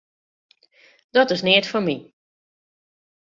Dat is neat foar my.